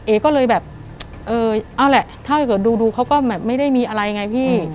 ก็เลยแบบเออเอาแหละถ้าเกิดดูเขาก็แบบไม่ได้มีอะไรไงพี่